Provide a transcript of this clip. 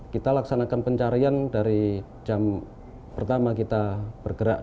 kita laksanakan pencarian dari jam pertama kita bergerak